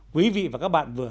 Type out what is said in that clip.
quý vị và các bạn vừa